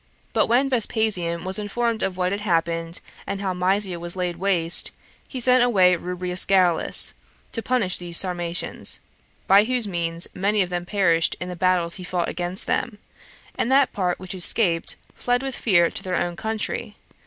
But when Vespasian was informed of what had happened, and how Mysia was laid waste, he sent away Rubrius Gallus to punish these Sarmatians; by whose means many of them perished in the battles he fought against them, and that part which escaped fled with fear to their own country.